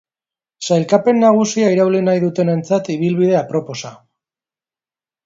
Sailkapen nagusia irauli nahi dutenentzat ibilbide aproposa.